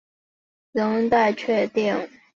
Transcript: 锯脂鲤亚科与其他脂鲤目的关系仍有待确定。